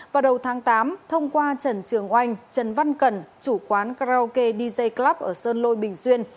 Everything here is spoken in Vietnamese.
vào đầu tháng tám thông qua trần trường oanh trần văn cẩn chủ quán karaoke dj club ở sơn lôi bình xuyên